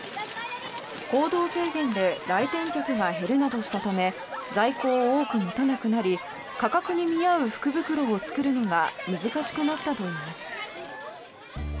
行動制限で来店客が減るなどしたため在庫を多く持たなくなり価格に見合う福袋を作るのが難しくなったといいます。